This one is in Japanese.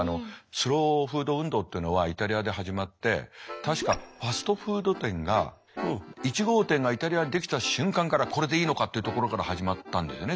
スローフード運動っていうのはイタリアで始まって確かファストフード店が１号店がイタリアに出来た瞬間からこれでいいのかっていうところから始まったんですよね